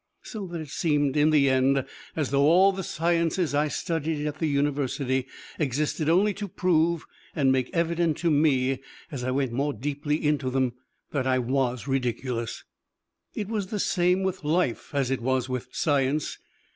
So that it seemed in the end as though all the sciences I studied at the university existed only to prove and make evident to me as I went more deeply into them that I was ridiculous. It was the same with life as it was with science.